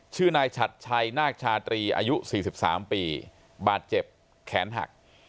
ชื่อนายฉัดชัยนาคชาตรีอายุ๔๓ปีบาดเจ็บแขนหัก